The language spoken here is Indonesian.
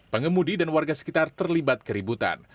pengemudi dan warga sekitar terlibat keributan